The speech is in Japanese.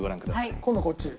今度こっち？